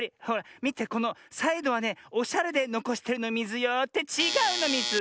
みてこのサイドはねおしゃれでのこしてるのミズよ。ってちがうのミズ！